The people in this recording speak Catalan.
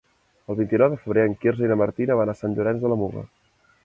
El vint-i-nou de febrer en Quirze i na Martina van a Sant Llorenç de la Muga.